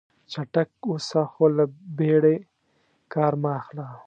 چټک اوسه خو له بیړې کار مه اخله.